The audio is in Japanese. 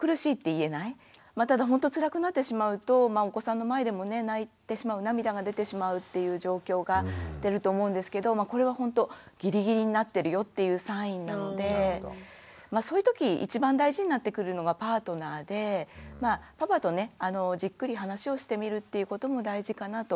まあただほんとつらくなってしまうとお子さんの前でもね泣いてしまう涙が出てしまうっていう状況が出ると思うんですけどこれはほんとギリギリになってるよっていうサインなのでそういうとき一番大事になってくるのがパートナーでパパとねじっくり話をしてみるっていうことも大事かなと思います。